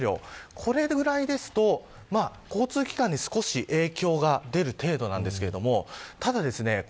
これぐらいですと交通機関に少し影響が出る程度なんですけどただですね